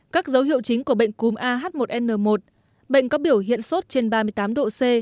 các dấu hiệu chính của bệnh cúm ah một n một bệnh có biểu hiện sốt trên ba mươi tám độ c